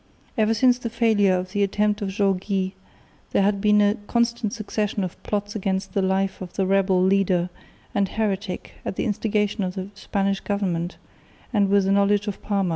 Ever since the failure of the attempt of Jaureguy, there had been a constant succession of plots against the life of the rebel leader and heretic at the instigation of the Spanish government, and with the knowledge of Parma.